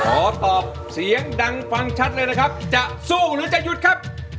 ขอตอบเสียงดังฟังชัดเลยนะครับจะสู้หรือจะหยุดครับ